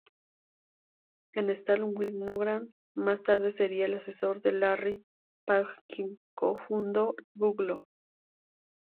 En Stanford, Winograd más tarde sería el asesor de Larry Page, quien co-fundó Google.